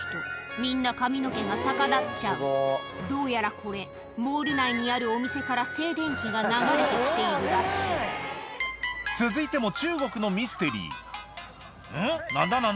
みんな髪の毛が逆立っちゃうどうやらこれモール内にあるお店から静電気が流れて来ているらしい続いても中国のミステリーん？